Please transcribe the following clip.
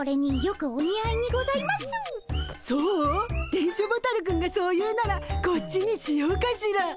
電書ボタルくんがそう言うならこっちにしようかしら。